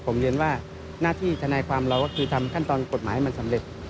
ผมเรียนว่าหน้าที่ทนายความเราก็คือทำขั้นตอนกฎหมายให้มันสำเร็จ